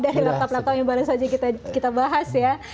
dari laptop laptop yang baru saja kita bahas ya